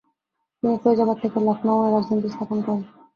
তিনি ফৈজাবাদ থেকে লখনৌয়ে রাজধানী স্থানান্তর করে।